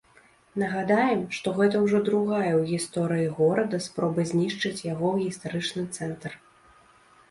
Нагадаем, што гэта ўжо другая ў гісторыі горада спроба знішчыць яго гістарычны цэнтр.